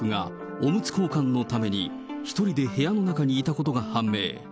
おむつ交換のために、１人で部屋の中にいたことが判明。